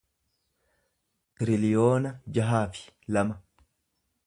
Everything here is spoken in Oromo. tiriliyoona jaha fi lama